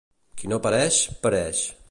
Qui no pareix, pereix.